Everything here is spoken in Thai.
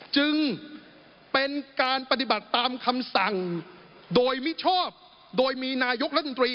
จึงเป็นการปฏิบัติตามคำสั่งโดยมิชอบโดยมีนายกรัฐมนตรี